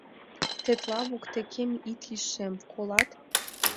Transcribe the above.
— Тетла воктекем ит лишем, колат!